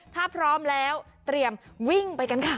ถ้าพร้อมแล้วเตรียมวิ่งไปกันค่ะ